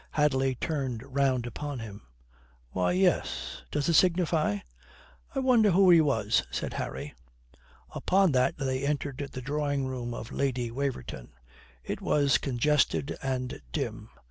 Hadley turned round upon him. "Why, yes. Does it signify?" "I wonder who he was," said Harry. Upon that they entered the drawing room of Lady Waverton. It was congested and dim.